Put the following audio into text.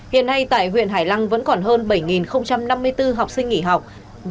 hiện nay tại huyện hải lăng vẫn còn hơn bảy năm mươi bốn học sinh nghỉ học